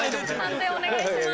判定お願いします。